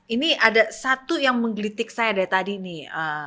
ini ada satu yang menggelitik saya dari tadi nih